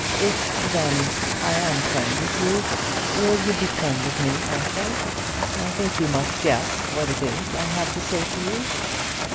If, then, I am plain with you, will you be plain with me also? I think you must guess what it is I have to say to you."